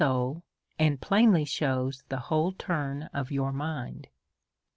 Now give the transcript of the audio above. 167 soul^ and plainly shews the whole turn of your mind.